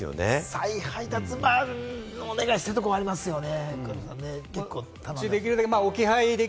再配達をお願いをすることもありますよね。